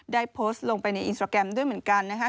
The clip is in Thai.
ได้โพสต์ลงไปในอินสตราแกรมด้วยเหมือนกันนะคะ